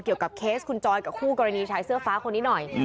เคสคุณจอยกับคู่กรณีชายเสื้อฟ้าคนนี้หน่อย